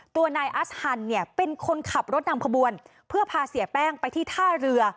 ตัวนายอัสฮันเนี่ยเป็นคนขับรถนำขบวนเพื่อพาเสียแป้งไปที่ท่าเรือ